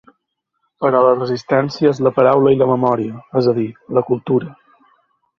Però la resistència és la paraula i la memòria; és a dir, la cultura.